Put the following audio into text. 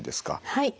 はい。